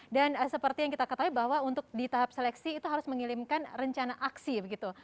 dan seperti yang kita katakan bahwa untuk di tahap seleksi itu harus mengirimkan rencana aksi begitu